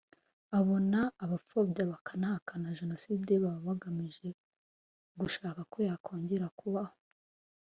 abona abapfobya bakanahakana Jenoside baba bagamije gushaka ko yakongera kubaho